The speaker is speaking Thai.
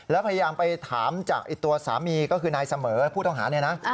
แล้วพยายามไปถามจากตัวสามีก็คือนายเสมอผู้ต้องหาเนี่ยนะ